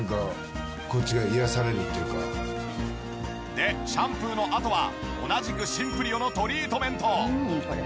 でシャンプーのあとは同じくシンプリオのトリートメント。